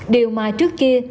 điều mà trước kia